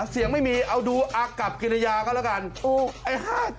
เสียงไม่มีเอาดูอักกับกินยาก็แล้วกันโอ้ไอ้ห้า